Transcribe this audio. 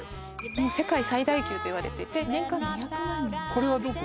世界最大級といわれてて年間２００万人これはどこ？